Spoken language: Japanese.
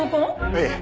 ええ。